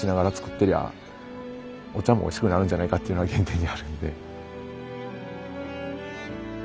てりゃお茶もおいしくなるんじゃないかっていうのが原点にあるんで。